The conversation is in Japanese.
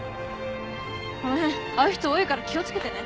この辺ああいう人多いから気を付けてね。